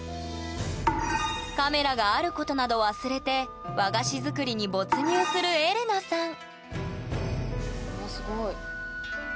カメラがあることなど忘れて和菓子作りに没入するエレナさんわあすごい。